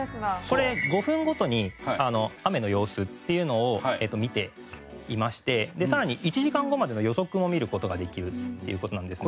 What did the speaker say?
これ５分ごとに雨の様子っていうのを見ていまして更に１時間後までの予測も見る事ができるっていう事なんですよね。